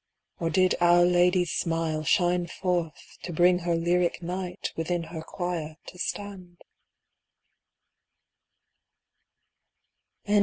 Or did Our Lady's smile shine forth, to bring Her lyric Knight within her choir to stand?